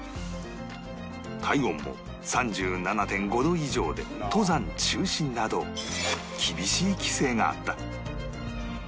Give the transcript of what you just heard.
体温も ３７．５ 度以上で登山中止など厳しい規制があった